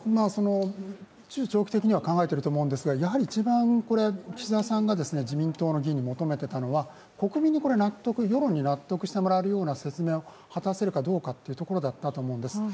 中長期的には考えていると思うんですが、一番岸田さんが自民党の議員に求めていたのは国民に納得、世論に納得してもらえるような説明を果たせるかどうかというところだったというところです。